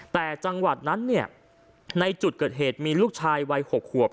แต่จังหวัดนั้นเนี่ยในจุดเกิดเหตุมีลูกชายวัย๖ขวบ